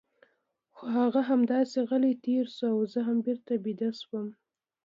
خو هغه همداسې غلی تېر شو او زه هم بېرته ویده شوم.